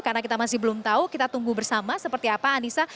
karena kita masih belum tahu kita tunggu bersama seperti apa anissa